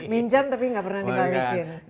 minjam tapi nggak pernah dibalikin